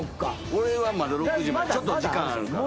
俺はまだ６０までちょっと時間あるから。